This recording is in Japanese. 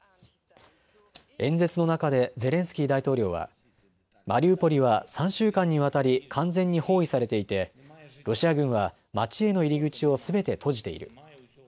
演説の中でゼレンスキー大統領はマリウポリは３週間にわたり完全に包囲されていてロシア軍は街への入り口をすべて閉じている。